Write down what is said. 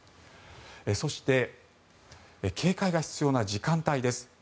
そして警戒が必要な時間帯です。